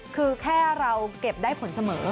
คือแค่เราเก็บได้ผลเสมอ